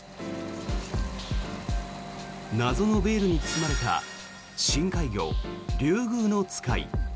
謎のベールに包まれた深海魚リュウグウノツカイ。